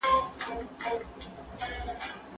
د تخییل په ټال کې وزنګیږئ